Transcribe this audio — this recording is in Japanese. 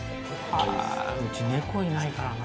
うち猫いないからな。